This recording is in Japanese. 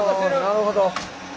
なるほど。